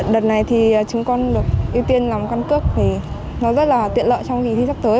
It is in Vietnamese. đợt này chúng con được ưu tiên làm căn cức nó rất là tiện lợi trong kỳ thi sắp tới